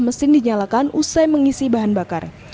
mesin dinyalakan usai mengisi bahan bakar